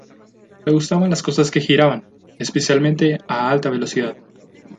Le gustaban las cosas que giraban, especialmente a alta velocidad.